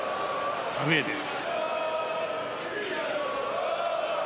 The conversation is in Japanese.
アウェーです。